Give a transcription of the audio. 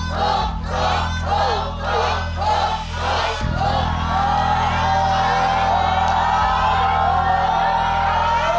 กไก่นี่คืออักษรกลาง